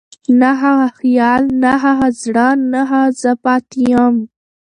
نه هغه خيال، نه هغه زړه، نه هغه زه پاتې يم